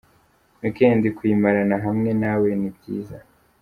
Weekend kuyimarana hamwe nawe ni byiza.